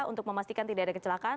untuk memastikan tidak ada kecelakaan